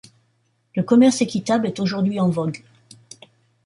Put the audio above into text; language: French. Le commerce équitable est aujourd’hui en vogue.